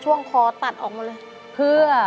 ช่วงคอตัดออกมาเลย